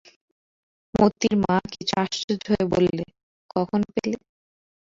মোতির মা কিছু আশ্চর্য হয়ে বললে, কখন পেলে?